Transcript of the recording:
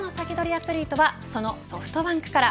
アツリートはそのソフトバンクから。